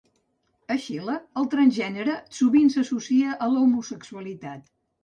A Xile, el transgènere sovint s'associa a la homosexualitat.